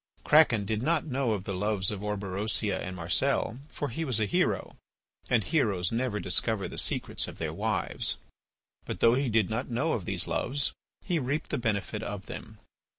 Kraken did not know of the loves of Orberosia and Marcel, for he was a hero, and heroes never discover the secrets of their wives. But though he did not know of these loves, he reaped the benefit of them.